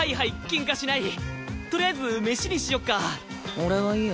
俺はいいや。